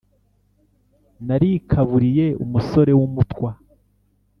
narikaburiye umusore w’umutwa